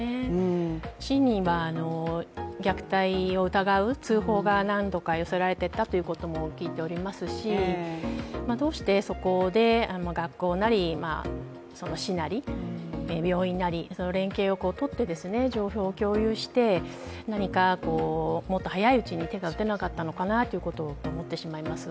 市には虐待を疑う通報が何度か寄せられてたということも聞いておりますしどうしてそこで学校なり市なり病院なり連携を取って情報を共有して何かもっと早いうちに手が打てなかったのかなということを思ってしまいます。